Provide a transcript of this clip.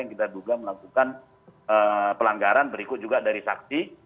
kita duga melakukan pelanggaran berikut juga dari saksi